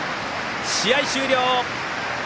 試合終了。